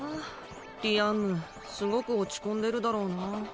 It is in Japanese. ディアンヌすごく落ち込んでるだろうな。